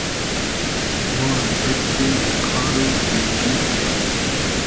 مۉ ام بیرسی دۂ کار و زیندئگی خو